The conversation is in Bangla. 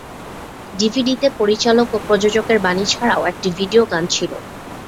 ডিভিডিতে পরিচালক ও প্রযোজকের বাণী ছাড়াও একটি ভিডিও গান ছিল।